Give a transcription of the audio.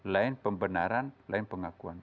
lain pembenaran lain pengakuan